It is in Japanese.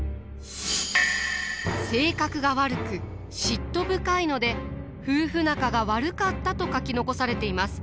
性格が悪く嫉妬深いので夫婦仲が悪かったと書き残されています。